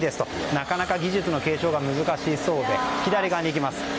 なかなか技術の継承が難しいそうで左側に行きます。